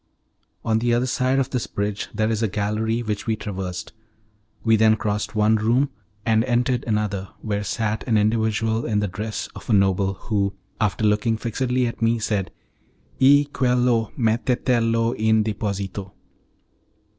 On the other side of this bridge there is a gallery which we traversed. We then crossed one room, and entered another, where sat an individual in the dress of a noble, who, after looking fixedly at me, said, "E quello, mettetelo in deposito."